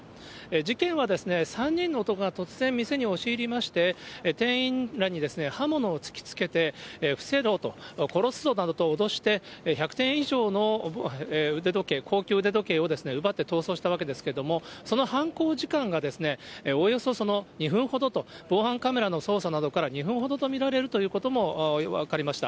事件は３人の男が突然、店に押し入りまして、店員らに刃物を突きつけて、伏せろと、殺すぞなどと脅して、１００点以上の腕時計、高級腕時計を奪って逃走したわけですけれども、その犯行時間がおよそ２分ほどと、防犯カメラの捜査などから、２分ほどと見られるということも分かりました。